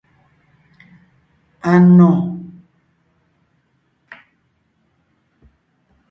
Anò.